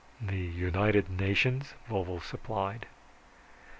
"The United Nations?" Vovo supplied.